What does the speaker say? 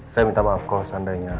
saya minta maaf kalau seandainya